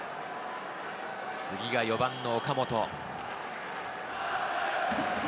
次が４番の岡本。